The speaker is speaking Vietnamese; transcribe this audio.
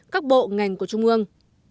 các bộ ngành của trung ương